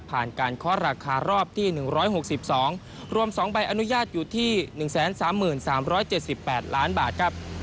การเคาะราคารอบที่๑๖๒รวม๒ใบอนุญาตอยู่ที่๑๓๓๗๘ล้านบาทครับ